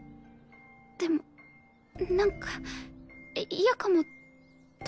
でもなんか嫌かもとか。